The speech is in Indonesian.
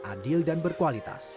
adil dan berkualitas